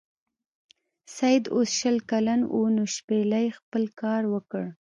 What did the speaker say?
سید اوس شل کلن و نو شپیلۍ خپل کار وکړ.